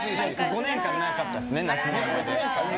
５年間なかったですね夏の思い出。